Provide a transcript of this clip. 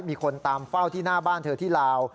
มีคนตามเฝ้าที่หน้าบ้านเธอที่ลาว